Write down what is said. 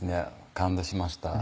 感動しました